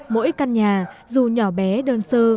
mỗi căn nhà dù nhỏ bé đơn sơ